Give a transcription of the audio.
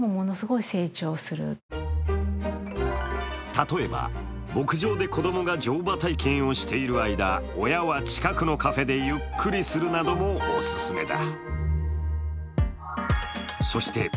例えば牧場で子供が乗馬体験をしている間親は近くのカフェでゆっくりするなどもオススメだ。